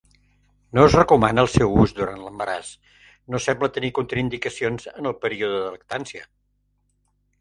No es recomana el seu ús durant l'embaràs. No sembla tenir contraindicacions en el període de lactància.